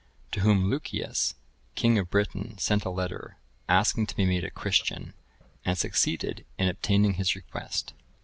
(1032) To whom Lucius, king of Britain, sent a letter, asking to be made a Christian, and succeeded in obtaining his request.